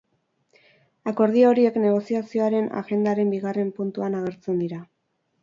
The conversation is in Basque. Akordio horiek negoziazioaren agendaren bigarren puntuan agertzen dira.